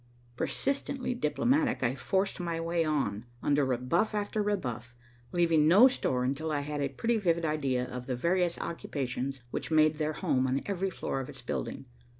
Persistently diplomatic, I forced my way on, under rebuff after rebuff, leaving no store until I had a pretty vivid idea of the various occupations which made their home on every floor of its building.